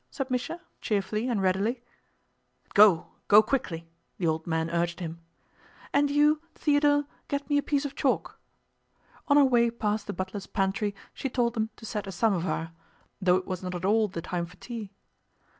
said Misha, cheerfully and readily. "Go, go quickly," the old man urged him. "And you, Theodore, get me a piece of chalk." On her way past the butler's pantry she told them to set a samovar, though it was not at all the time for tea.